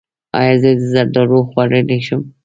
ایا زه زردالو خوړلی شم؟